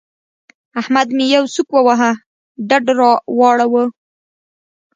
احمد مې يوه سوک وواهه؛ ډډ را واړاوو.